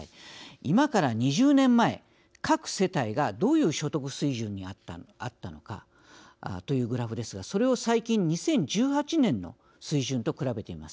今から２０年前、各世帯がどういう所得水準にあったのか。というグラフですがそれを最近、２０１８年の水準と比べてみます。